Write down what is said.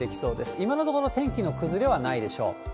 今のところ、天気の崩れはないでしょう。